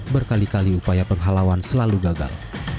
berkali kali upaya penghalauan selalu gagal